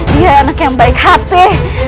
dia anak yang baik hati